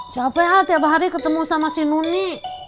cepet lah tiap hari ketemu sama si nuni